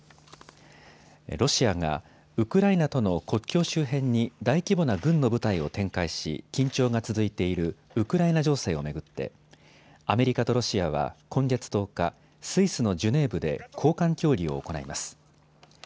ロシアがウクライナとの国境周辺に大規模な軍の部隊を展開し緊張が続いているウクライナ情勢を巡ってアメリカとロシアは今月１０日、スイスのジュネーブで高官協議を行います。